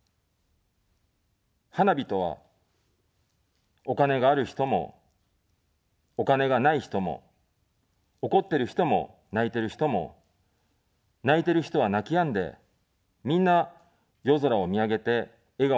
花火とは、お金がある人も、お金がない人も、怒ってる人も、泣いてる人も、泣いてる人は泣きやんで、みんな、夜空を見上げて、笑顔になります。